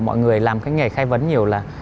mọi người làm cái nghề khai vấn nhiều là